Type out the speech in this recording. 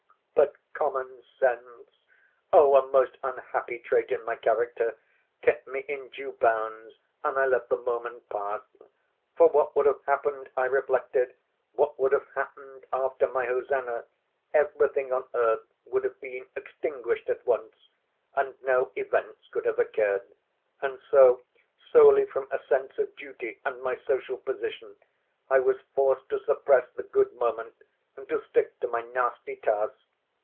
But common sense—oh, a most unhappy trait in my character—kept me in due bounds and I let the moment pass! For what would have happened, I reflected, what would have happened after my hosannah? Everything on earth would have been extinguished at once and no events could have occurred. And so, solely from a sense of duty and my social position, I was forced to suppress the good moment and to stick to my nasty task.